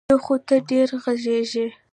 یو خو ته ډېره غږېږې.